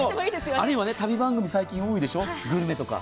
あるいは旅番組、最近多いでしょう、グルメとか。